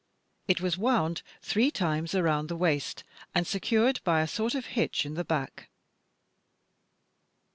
It was wound three times around the waist, and secured by a sort of hitch in the back.